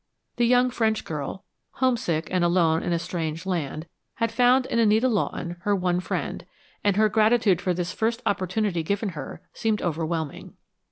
The young French girl, homesick and alone in a strange land, had found in Anita Lawton her one friend, and her gratitude for this first opportunity given her, seemed overwhelming.